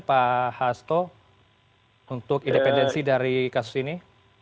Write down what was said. pak hasto untuk independensi dari kasus ini